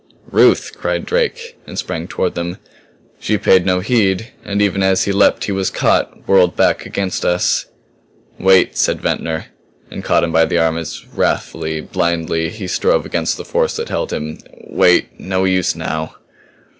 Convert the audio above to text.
"Ruth!" cried Drake and sprang toward them. She paid no heed; and even as he leaped he was caught, whirled back against us. "Wait," said Ventnor, and caught him by the arm as wrathfully, blindedly, he strove against the force that held him. "Wait. No use now."